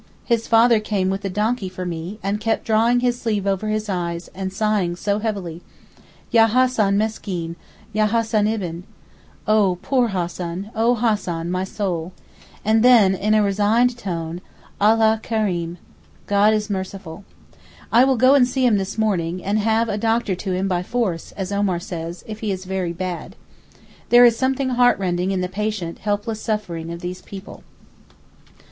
His father came with the donkey for me, and kept drawing his sleeve over his eyes and sighing so heavily. 'Yah Hassan meskeen! yah Hassan ibn!' (Oh poor Hassan! oh Hassan my son!); and then, in a resigned tone, 'Allah kereem' (God is merciful). I will go and see him this morning, and have a doctor to him 'by force,' as Omar says, if he is very bad. There is something heart rending in the patient, helpless suffering of these people.